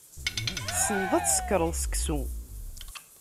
Tessneḍ ad tsekreḍ seksu.